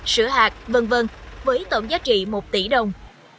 sữa hạt v v với tổng giá trị một tỷ đồng